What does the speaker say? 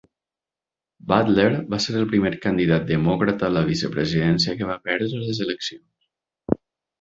Butler va ser el primer candidat demòcrata a la vicepresidència que va perdre les eleccions.